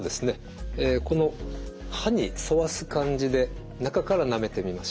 この歯に沿わす感じで中からなめてみましょう。